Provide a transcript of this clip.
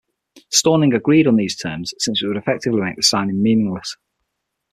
Stauning agreed on these terms, since it would effectively make the signing meaningless.